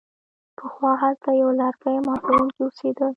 پخوا هلته یو لرګي ماتوونکی اوسیده.